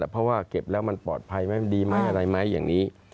เพราะว่าเก็บแล้วมันปลอดภัยไหมมันดีไหมอะไรไหมอย่างนี้